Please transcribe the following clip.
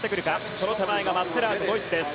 その手前がマッツェラート、ドイツです。